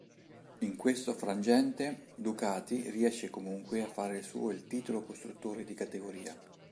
In questo frangente Ducati riesce comunque a fare suo il titolo costruttori di categoria.